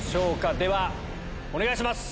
ではお願いします。